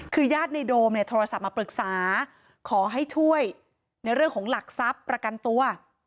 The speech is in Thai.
คือญาติในโดมเนี่ยโทรศัพท์มาปรึกษาขอให้ช่วยในเรื่องของหลักทรัพย์ประกันตัว